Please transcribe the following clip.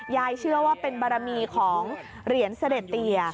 เชื่อว่าเป็นบารมีของเหรียญเสด็จเตีย